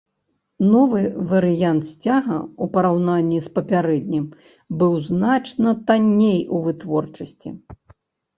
Новы варыянт сцяга ў параўнанні з папярэднім быў значна танней у вытворчасці.